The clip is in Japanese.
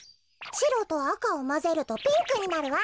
しろとあかをまぜるとピンクになるわ。